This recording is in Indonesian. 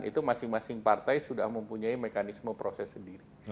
itu masing masing partai sudah mempunyai mekanisme proses sendiri